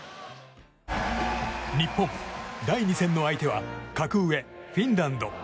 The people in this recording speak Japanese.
日本、第２戦の相手は格上フィンランド。